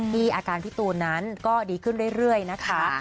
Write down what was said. อาการพี่ตูนนั้นก็ดีขึ้นเรื่อยนะคะ